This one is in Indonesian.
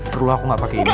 perlu aku ga pake ini